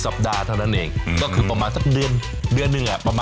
๔สัปดาห์เท่านั้นเองก็คือประมาณสักเดือนประมาณนั้นแหละครับ